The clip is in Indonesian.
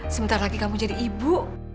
sebentar lagi kamu jadi ibu